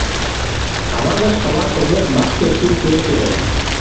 Кава гыч шылаш огеш вашке ший кече.